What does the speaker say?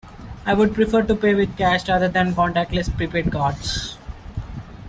I would prefer to pay with cash rather than contactless prepaid cards.